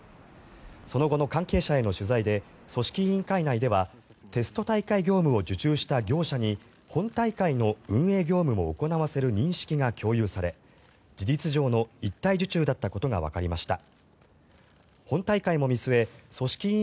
その後の関係者への取材で組織委員会内ではテスト大会業務を受注した業者に本大会の運営業務も行わせる認識が共有され事実上の一体受注だったことがわかりました。